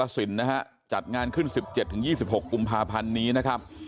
ที่กรสินทร์นะฮะจัดงานขึ้น๑๗ถึง๒๖ปุ่มภาพันธ์นี้นะครับ